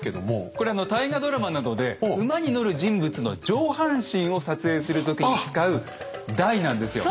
これあの大河ドラマなどで馬に乗る人物の上半身を撮影する時に使う台なんですよ。